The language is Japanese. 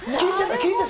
聞いてた？